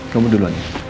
kamu duluan ya